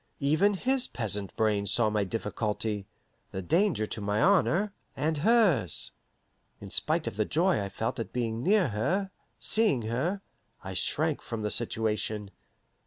Even his peasant brain saw my difficulty, the danger to my honour and hers. In spite of the joy I felt at being near her, seeing her, I shrank from the situation.